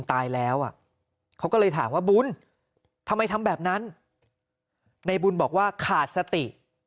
ตายแล้วอ่ะเขาก็เลยถามว่าบุญทำไมทำแบบนั้นในบุญบอกว่าขาดสติ